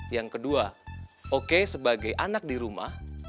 yang kedua oke sebagai anak di rumah